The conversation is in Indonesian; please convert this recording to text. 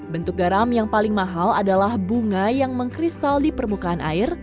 bentuk garam yang paling mahal adalah bunga yang mengkristallisir